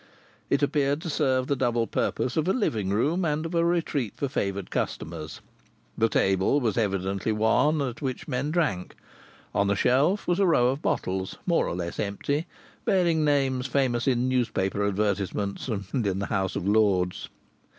It appeared to serve the double purpose of a living room and of a retreat for favoured customers. The table was evidently one at which men drank. On a shelf was a row of bottles, more or less empty, bearing names famous in newspaper advertisements and in the House of Lords.